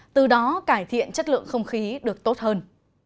từ đó cải thiện chất lượng không khí được tốt hơn